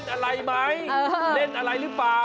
บอกว่าเราเล่นอะไรไหมเล่นอะไรหรือเปล่า